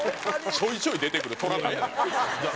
ちょいちょい出てくる虎なんやねん！